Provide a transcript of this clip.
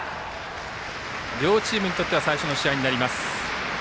両チームにとっては最初の試合になります。